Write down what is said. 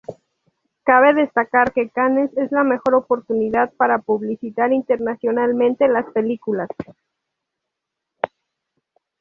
Cabe destacar que Cannes es la mejor oportunidad para publicitar internacionalmente las películas.